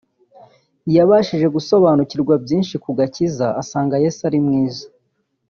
yabashije gusobanukirwa byinshi ku gakiza asanga Yesu ari mwiza